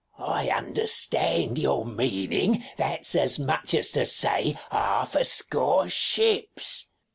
First W. I understand your meaning, that's as much as to say, half a score ships.